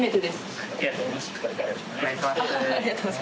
ありがとうございます。